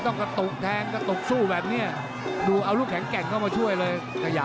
กระตุกแทงกระตุกสู้แบบนี้ดูเอาลูกแข็งแกร่งเข้ามาช่วยเลย